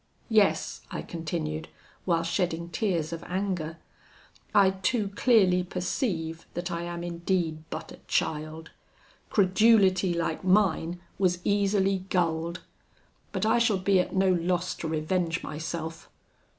Yes,' I continued, while shedding tears of anger, 'I too clearly perceive that I am indeed but a child. Credulity like mine was easily gulled; but I shall be at no loss to revenge myself.'